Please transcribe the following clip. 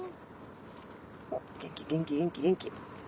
おっ元気元気元気元気。